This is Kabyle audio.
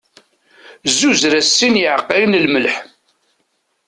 Zzuzer-as sin yiɛqqayen n lmelḥ.